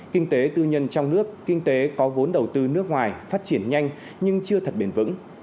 kinh tế tư nhân trong nước kinh tế có vốn đầu tư nước ngoài phát triển nhanh nhưng chưa thật bền vững